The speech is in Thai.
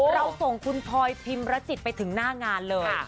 เราส่งคุณพลอยพิมรจิตไปถึงหน้างานเลย